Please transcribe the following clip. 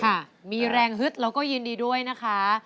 ค่ะมีแรงฮึดแล้วก็ยินดีด้วยนะคะ